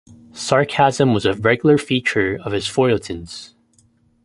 Sarcasm was a regular feature of his feuilletons.